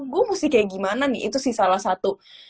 gue mesti kayak gimana nih itu sih salah satu